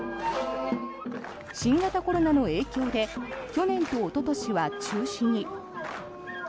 新型コロナの影響で去年とおととしは中止に。